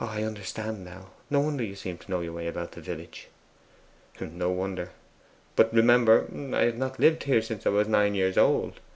I understand now; no wonder you seemed to know your way about the village!' 'No wonder. But remember, I have not lived here since I was nine years old.